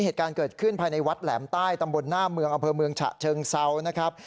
เหตุการณ์เกิดขึ้นภายในวัดแหลมใต้ตำบลหน้าเมืองอำเภอเมืองฉะเชิงเซานะครับ